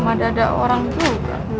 sama dada orang tuh